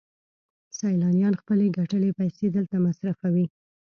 سیلانیان خپلې ګټلې پیسې دلته مصرفوي